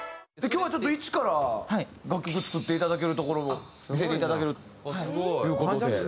今日はちょっと一から楽曲作っていただけるところを見せていただけるという事で。